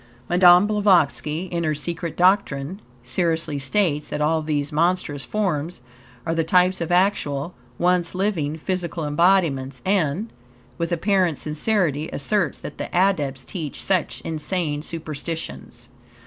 Madame Blavatsky, in her "Secret Doctrine," seriously states that all these monstrous forms are the types of actual, once living physical embodiments, and, with apparent sincerity, asserts that the Adepts teach such insane superstitions.